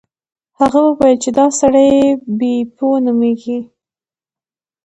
هغه وویل چې دا سړی بیپو نومیږي.